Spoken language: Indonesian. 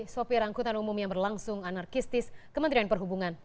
sopir angkutan umum yang berlangsung anarkistis kementerian perhubungan